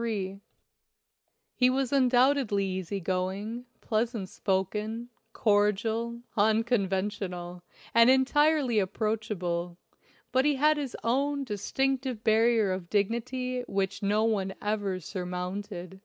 175 LINCOLN THE LAWYER He was undoubtedly easy going, pleasant spoken, cordial, unconventional, and entirely ap proachable, but he had his own distinctive barrier of dignity which no one ever surmounted.